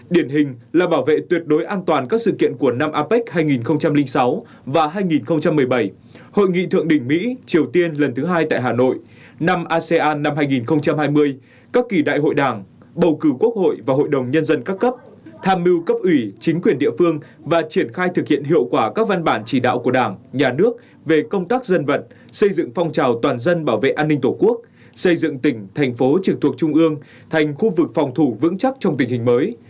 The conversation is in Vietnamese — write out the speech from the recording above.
điển hình là bảo vệ tuyệt đối an toàn các sự kiện của năm apec hai nghìn sáu và hai nghìn một mươi bảy hội nghị thượng đỉnh mỹ triều tiên lần thứ hai tại hà nội năm asean năm hai nghìn hai mươi các kỳ đại hội đảng bầu cử quốc hội và hội đồng nhân dân các cấp tham mưu cấp ủy chính quyền địa phương và triển khai thực hiện hiệu quả các văn bản chỉ đạo của đảng nhà nước về công tác dân vận xây dựng phong trào toàn dân bảo vệ an ninh tổ quốc xây dựng tỉnh thành phố trực thuộc trung ương thành khu vực phòng thủ vững chắc trong tình hình mới